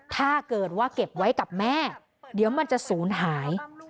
ถ้าเกิดว่าเก็บไว้กับแม่เดี๋ยวมันจะศูนย์หาย